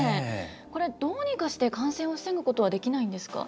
これ、どうにかして感染を防ぐことはできないんですか。